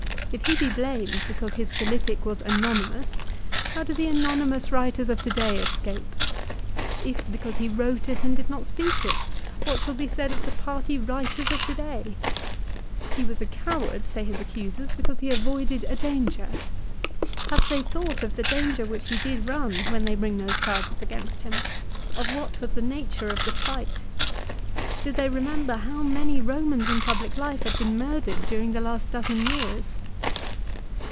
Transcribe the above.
If he be blamed be cause his Philippic was anonymous, how do the anonymous writers of to day escape ? If because he wrote it, and did 1 Ad Att. lib. xvi. 11. THE PHILIPPICS. 239 not speak it, what shall be said of the party writers of to day ? He was a coward, say his accusers, because he avoided a danger. Have they thought of the danger which he did run when they bring those charges against him ; of what was the nature of the fight ? Do they remember how many Romans in public life had been murdered during the last dozen years